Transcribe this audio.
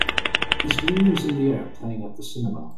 Is Millions in the Air playing at the cinema